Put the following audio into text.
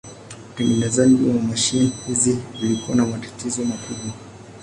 Utengenezaji wa mashine hizi ulikuwa na matatizo makubwa.